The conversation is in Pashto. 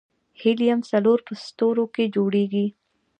د هیلیم څلور په ستورو کې جوړېږي.